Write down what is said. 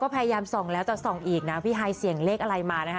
พยายามส่องแล้วแต่ส่องอีกนะพี่ไฮเสี่ยงเลขอะไรมานะคะ